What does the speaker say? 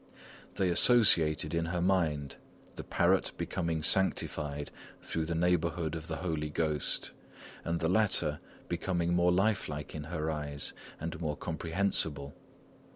They associated in her mind, the parrot becoming sanctified through the neighbourhood of the Holy Ghost, and the latter becoming more lifelike in her eyes, and more comprehensible.